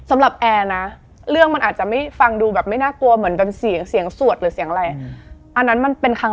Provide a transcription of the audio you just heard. ไม่รู้พี่หนูก็คิดหนูอยากท้อง